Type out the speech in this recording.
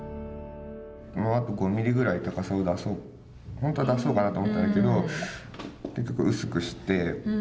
もうあと５ｍｍぐらい高さを出そうほんとは出そうかなと思ったんやけど結局薄くして。